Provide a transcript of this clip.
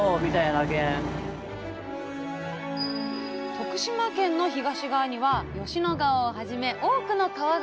徳島県の東側には吉野川をはじめ多くの川があり